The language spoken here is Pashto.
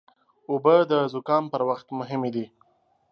اوبه د زکام پر وخت مهمې دي.